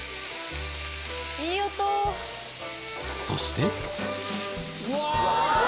そしてうわぁ！